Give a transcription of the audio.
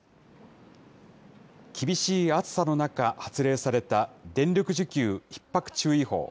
厳しい暑さの中、発令された電力需給ひっ迫注意報。